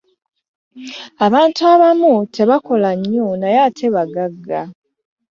Abantu abamu tebakola nnyo naye ate bagagga.